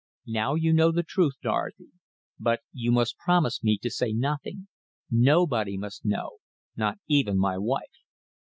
Now you know the truth, Dorothy. But you must promise me to say nothing. Nobody must know not even my wife."